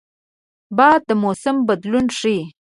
باد د موسم بدلون ښيي